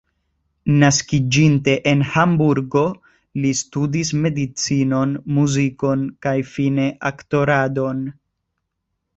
Naskiĝinte en Hamburgo, li studis medicinon, muzikon kaj fine aktoradon.